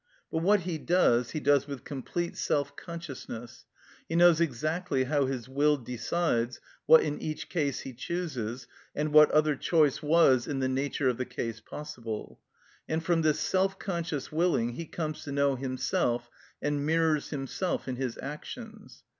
But what he does he does with complete self consciousness; he knows exactly how his will decides, what in each case he chooses, and what other choice was in the nature of the case possible; and from this self conscious willing he comes to know himself and mirrors himself in his actions.